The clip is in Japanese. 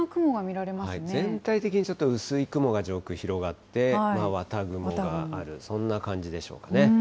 全体的に、ちょっと薄い雲が上空広がって、今、綿雲がある、そんな感じでしょうかね。